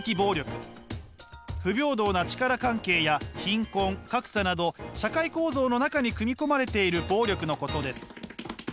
不平等な力関係や貧困・格差など社会構造の中に組み込まれている暴力のことです。